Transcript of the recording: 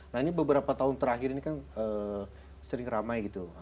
nah ini beberapa tahun terakhir ini kan sering ramai gitu